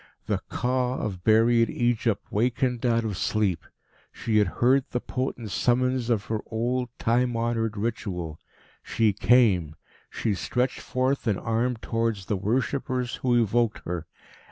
The Ka of buried Egypt wakened out of sleep. She had heard the potent summons of her old, time honoured ritual. She came. She stretched forth an arm towards the worshippers who evoked her.